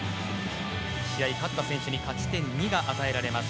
試合勝った選手に勝ち点２が与えられます。